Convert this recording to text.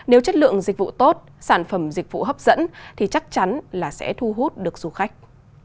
nếu chất lượng dịch vụ tốt sản phẩm dịch vụ hấp dẫn thì chắc chắn là sẽ thu hút được du khách